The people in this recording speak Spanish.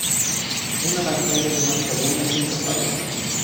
Una pantalla de marca buena nunca falla.